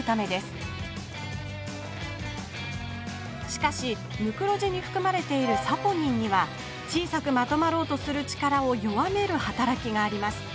しかしムクロジにふくまれているサポニンには小さくまとまろうとする力を弱める働きがあります。